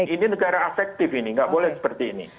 ini negara afektif ini gak boleh seperti ini